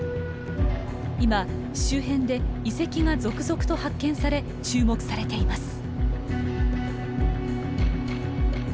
今周辺で遺跡が続々と発見され注目されています。